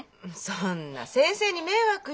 そんな先生に迷惑よ。